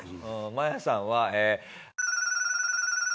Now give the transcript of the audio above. マヤさんは。